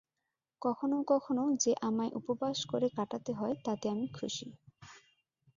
কখনও কখনও যে আমায় উপবাস করে কাটাতে হয়, তাতে আমি খুশী।